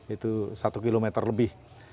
itu satu kilometer lebih